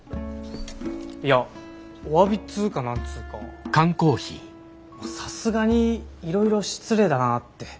いやおわびっつうか何つうかさすがにいろいろ失礼だなって。